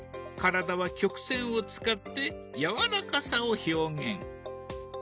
体は曲線を使ってやわらかさを表現。